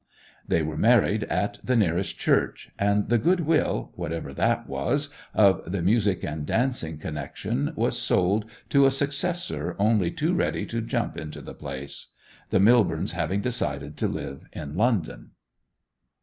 They were married at the nearest church; and the goodwill—whatever that was—of the music and dancing connection was sold to a successor only too ready to jump into the place, the Millbornes having decided to live in London.